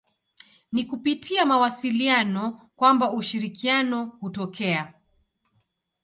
Ni kupitia mawasiliano kwamba ushirikiano hutokea.